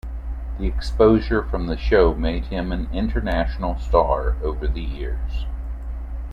The exposure from the show made him an international star over the years.